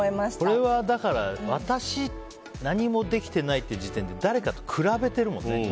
これはだから私、何もできてないって時点で誰かと比べてるもんね。